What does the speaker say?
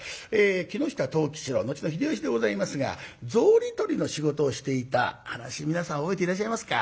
木下藤吉郎後の秀吉でございますが草履取りの仕事をしていた話皆さん覚えていらっしゃいますか？